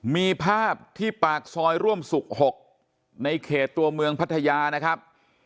มีภาพที่ปากซอยร่วมสุข๖ในเขตตัวเมืองพัทยานะครับ